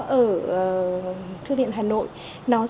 nhấn mạnh góc đó ở thư viện hà nội